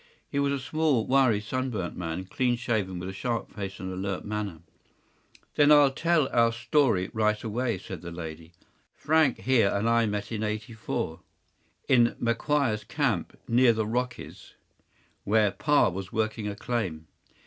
” He was a small, wiry, sunburnt man, clean shaven, with a sharp face and alert manner. “Then I’ll tell our story right away,” said the lady. “Frank here and I met in ’84, in McQuire’s camp, near the Rockies, where pa was working a claim.